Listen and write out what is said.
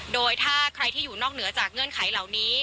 โดยถ้าใครที่อยู่นอกเหนือจากเงื่อนไขเหล่านี้